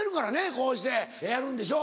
こうしてやるんでしょ。